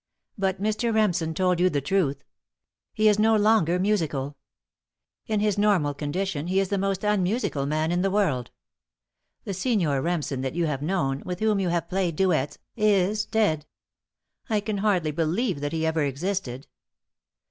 But Mr. Remsen told you the truth. He is no longer musical. In his normal condition he is the most unmusical man in the world. The Signor Remsen that you have known, with whom you have played duets, is dead I can hardly believe that he ever existed.